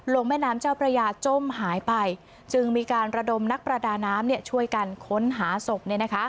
แม่น้ำเจ้าพระยาจมหายไปจึงมีการระดมนักประดาน้ำช่วยกันค้นหาศพ